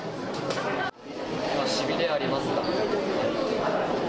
しびれ、ありますか？